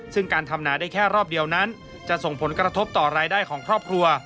ซึ่งการทำหนาได้แค่รอบเดียวนั้นจะส่งผลกระทบต่อรายได้ของครอบครัว